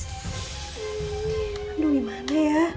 aduh gimana ya